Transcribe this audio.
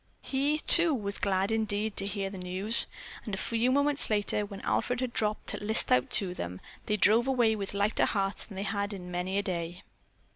He, too, was indeed glad to hear the good news, and a few moments later, when Alfred had dropped a list out to them, they drove away with lighter hearts than they had had in many a day.